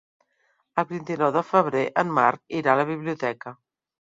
El vint-i-nou de febrer en Marc irà a la biblioteca.